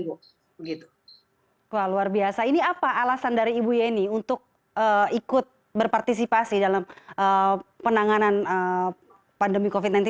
wah luar biasa ini apa alasan dari ibu yeni untuk ikut berpartisipasi dalam penanganan pandemi covid sembilan belas